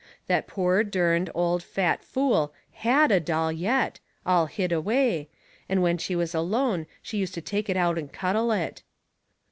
That poor, derned, old, fat fool HAD a doll yet, all hid away, and when she was alone she used to take it out and cuddle it.